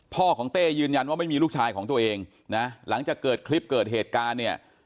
พ่อของเต้ยืนยันว่าไม่มีลูกชายของตัวเองนะหลังจากเกิดคลิปเกิดเหตุการณ์เนี่ย